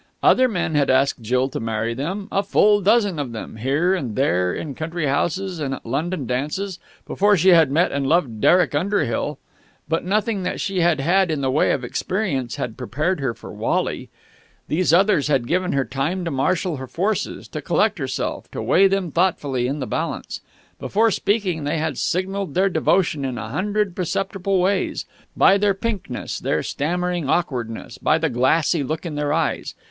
Other men had asked Jill to marry them a full dozen of them, here and there in country houses and at London dances, before she had met and loved Derek Underhill; but nothing that she had had in the way of experience had prepared her for Wally. These others had given her time to marshal her forces, to collect herself, to weigh them thoughtfully in the balance. Before speaking, they had signalled their devotion in a hundred perceptible ways by their pinkness, their stammering awkwardness, by the glassy look in their eyes.